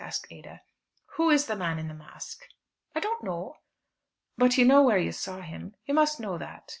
asked Ada. "Who is the man in the mask?" "I don't know." "But you know where you saw him. You must know that.